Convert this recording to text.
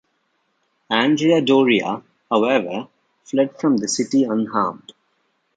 Andrea Doria, however, fled from the city unharmed.